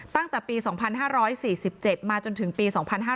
ตั้งแต่ปี๒๕๔๗มาจนถึงปี๒๕๕๙